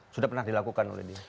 sudah pernah dilakukan oleh dia